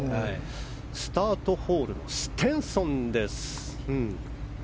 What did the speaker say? スタートホールのステンソンです。